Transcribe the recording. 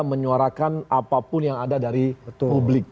menyuarakan apapun yang ada dari publik